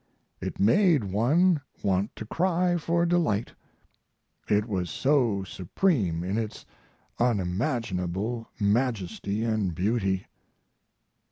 It made one want to cry for delight, it was so supreme in its unimaginable majesty & beauty.